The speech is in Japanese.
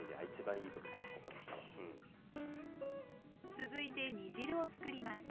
続いて煮汁をつくります。